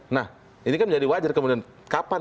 nah ini kan menjadi wajar kemudian kapan